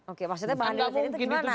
maksudnya bahan indonesia itu gimana